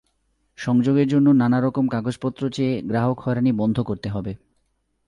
সংযোগের জন্য নানা রকম কাগজপত্র চেয়ে গ্রাহক হয়রানি বন্ধ করতে হবে।